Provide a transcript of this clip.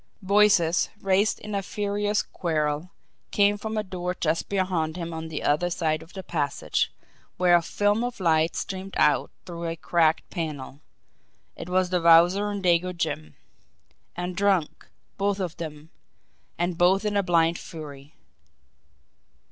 Voices, raised in a furious quarrel, came from a door just beyond him on the other side of the passage, where a film of light streamed out through a cracked panel it was the Wowzer and Dago Jim! And drunk, both of them and both in a blind fury!